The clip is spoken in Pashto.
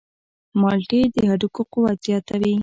مالټې د هډوکو قوت زیاتوي.